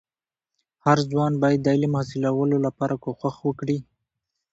هرځوان باید د علم د حاصلولو لپاره کوښښ وکړي.